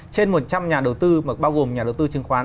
trên một trăm linh nhà đầu tư mà bao gồm nhà đầu tư chứng khoán